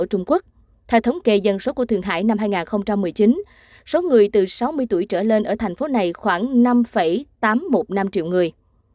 theo thống kê dân số của thượng hải năm hai nghìn một mươi chín số người từ sáu mươi tuổi trở lên ở thành phố này khoảng năm tám trăm một mươi năm triệu người